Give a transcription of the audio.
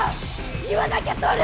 言わなきゃ撮る！